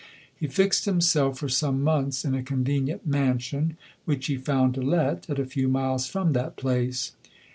He fixed himself for some months in a convenient man VOL. I. F 98 LODORE. sion, which he found to let, at a few miles from that place.